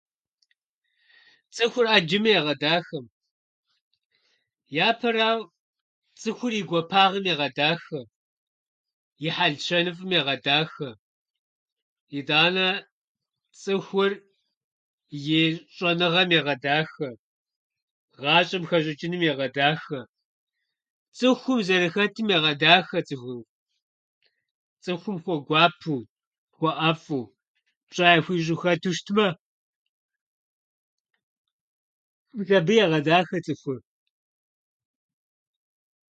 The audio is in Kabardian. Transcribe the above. Цӏыхур ӏэджэми егъэдахэм. Япэрауэ, цӏыхур и гуапагъэм егъэдахэ, и хьэлщэныфӏым егъэдахэ. Итӏанэ цӏыхур и щӏэныгъэм егъэдахэ, гъащӏэм хэщӏычӏыным егъэдахэ. Цӏыхум зэрыхэтым егъэдахэ цӏыхур. Цӏыхум хуэгуапэу, хуэӏэфӏу, пщӏэ яхуищӏу хэту щытмэ, мис абы егъэдахэ цӏыхур.